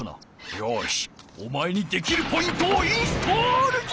よしおまえにできるポイントをインストールじゃ！